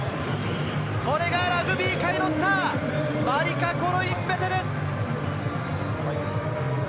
これがラグビー界のスター、マリカ・コロインベテです！